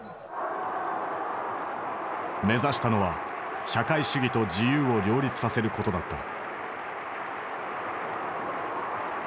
目指したのは社会主義と自由を両立させることだった。